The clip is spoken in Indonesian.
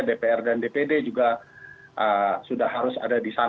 dpr dan dpd juga sudah harus ada di sana